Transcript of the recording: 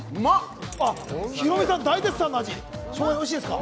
ヒロミさん、大絶賛の味、しょうが煮おいしいですか？